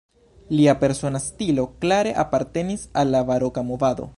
Lia persona stilo klare apartenis al la baroka movado.